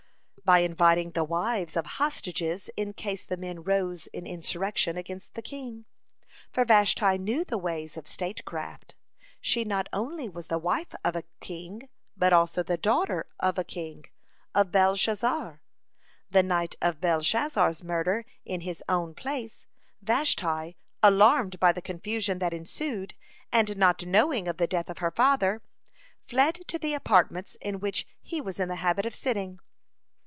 By inviting the wives of hostages in case the men rose in insurrection against the king. (30) For Vashti knew the ways of statecraft. She not only was the wife of a king, but also the daughter of a king, of Belshazzar. The night of Belshazzar's murder in his own palace, Vashti, alarmed by the confusion that ensued, and not knowing of the death of her father, fled to the apartments in which he was in the habit of sitting.